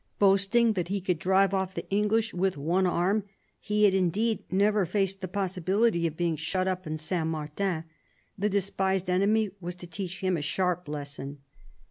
Boasting that he could drive off the English with one arm, he had indeed never faced the possibility of being shut up in Saint Martin. The despised enemy was to teach him a sharp lesson.